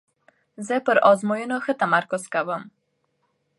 زه پر آزموینو ښه تمرکز کوم.